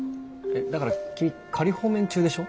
だから君仮放免中でしょ？